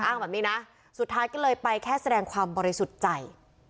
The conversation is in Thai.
แบบนี้นะสุดท้ายก็เลยไปแค่แสดงความบริสุทธิ์ใจ